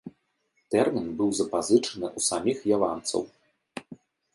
Тэрмін быў запазычаны ў саміх яванцаў.